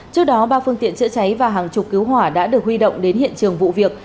trước đó ba phương tiện chữa cháy và hàng chục cứu hỏa đã được huy động đến hiện trường vụ việc